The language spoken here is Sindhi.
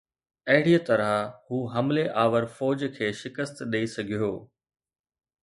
اهڙيءَ طرح هو حملي آور فوج کي شڪست ڏئي سگهيو